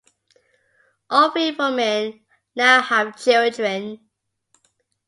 All three women now have children.